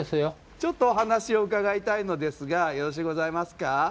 ちょっとお話を伺いたいのですがよろしゅうございますか？